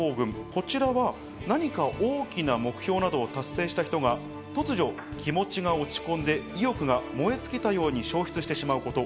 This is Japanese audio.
こちらは何か大きな目標などを達成した人が突如気持ちが落ち込んで意欲が燃え尽きたように消失してしまうこと。